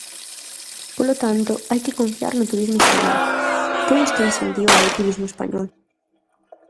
Polo tanto, hai que confiar no turismo español, temos que incentivar o turismo español.